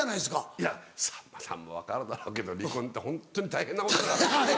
いやさんまさんも分かるだろうけど離婚ってホントに大変なことになる。